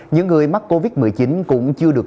những người mắc covid một mươi chín cũng chưa được